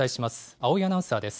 青井アナウンサーです。